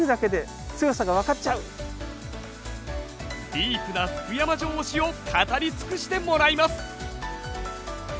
ディープな福山城推しを語り尽くしてもらいます！